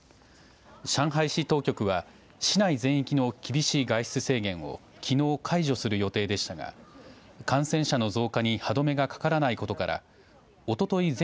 上海市当局は市内全域の厳しい外出制限をきのう解除する予定でしたが感染者の増加に歯止めがかからないことからおととい